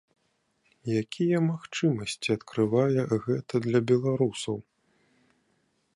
Якія магчымасці адкрывае гэта для беларусаў?